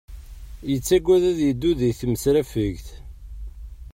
Yettaggad ad yeddu di tmesrafegt